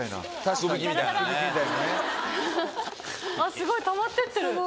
すごいたまってってる。